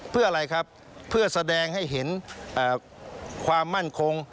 เพื่ออะไรครับเพื่อแสดงให้เห็นความมั่นคง